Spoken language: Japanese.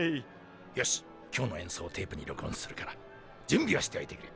よし今日のえんそうをテープに録音するからじゅんびをしておいてくれ。